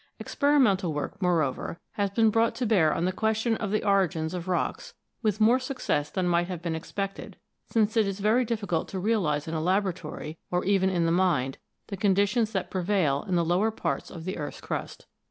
Experimental work, moreover, has been brought to bear on the question of the origins of rocks, with more success than might have been expected, since it is very difficult to realise in a laboratory, or even in the mind, the conditions that prevail in the lower parts of the earth's crust.